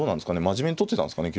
真面目にとってたんですかね